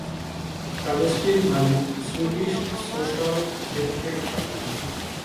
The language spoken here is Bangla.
কাগজটির মালিক সুইডিশ সোশ্যাল ডেমোক্র্যাটিক পার্টি।